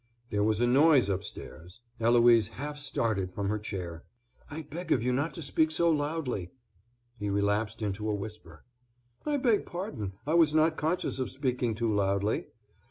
There was a noise upstairs. Eloise half started from her chair. "I beg of you not to speak so loudly." He relapsed into a whisper. "I beg pardon, I was not conscious of speaking too loudly."